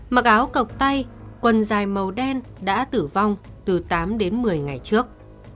mặc áo cọc tay quần dài màu đen đã tử vong từ tám đến một mươi ngày trước